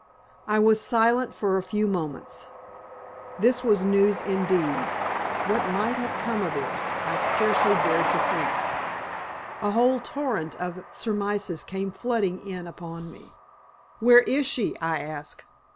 I was silent for a few moments. This was news indeed. What might come of it I scarcely dared to think. A whole torrent of surmises came flooding in upon me. "Where is she?" I asked.